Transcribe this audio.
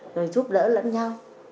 rồi giúp đỡ lẫn nhau